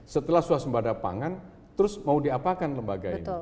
setelah suasembada pangan terus mau diapakan lembaga ini